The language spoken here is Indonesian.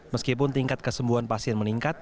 meskipun tingkat kesembuhan pasien meningkat